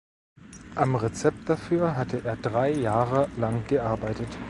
Am Rezept dafür hatte er drei Jahre lang gearbeitet.